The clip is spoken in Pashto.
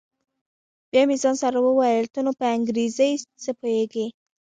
بيا مې ځان سره وويل ته نو په انګريزۍ څه پوهېږې.